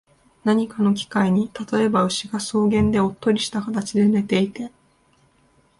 何かの機会に、例えば、牛が草原でおっとりした形で寝ていて、